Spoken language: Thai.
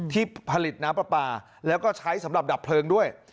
ที่ผลิตน้ำปลาปลาแล้วก็ใช้สำหรับดับเพลิงด้วย